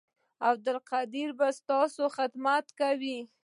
عبدالقدیر به ستاسو خدمت کوي